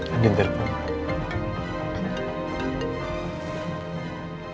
yadin terima kasih